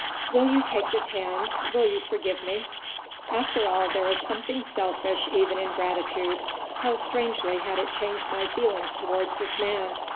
"Will you take this hand? Will you forgive me?" After all, there is something selfish even in gratitude. How strangely had it changed my feelings towards this man!